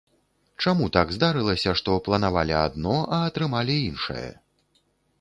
Чаму так здарылася, што планавалі адно, а атрымалі іншае?